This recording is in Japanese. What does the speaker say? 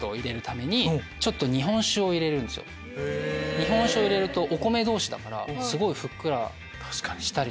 日本酒を入れるとお米同士だからふっくらしたり。